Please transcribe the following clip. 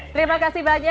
terima kasih banyak